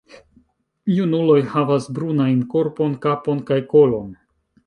Junuloj havas brunajn korpon, kapon kaj kolon.